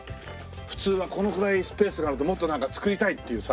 普通はこのくらいスペースがあるともっとなんか作りたいっていうさ。